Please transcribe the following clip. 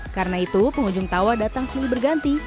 karena itu pengunjung tauwa datang selalu berganti